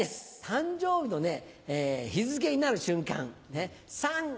誕生日の日付になる瞬間